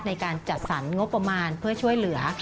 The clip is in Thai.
ในการจัดสรรงบประมาณเพื่อช่วยเหลือ